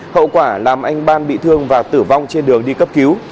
hậu quả làm anh ban bị thương và tử vong trên đường đi cấp cứu